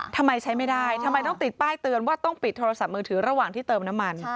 ทำไมใช้ไม่ได้ทำไมต้องติดป้ายเตือนว่าต้องปิดโทรศัพท์มือถือระหว่างที่เติมน้ำมัน